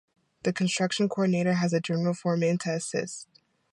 The construction coordinator has a general foreman to assist.